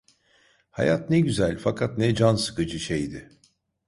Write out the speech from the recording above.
Hayat ne güzel fakat ne can sıkıcı şeydi!